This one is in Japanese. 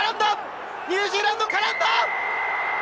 ニュージーランド絡んだ！